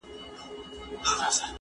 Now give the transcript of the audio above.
سندري واوره!